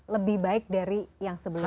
lebih baik dari yang sebelumnya